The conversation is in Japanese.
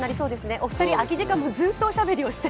お二人、空き時間もずっとおしゃべりして。